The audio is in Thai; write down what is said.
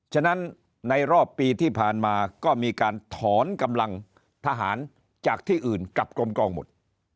ฉะนั้นในรอบปีที่ผ่านมาก็มีการถอนกำลังทหารจากที่อื่นกลับกลมกองหมด